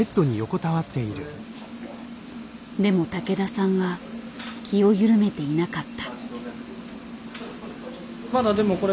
でも竹田さんは気を緩めていなかった。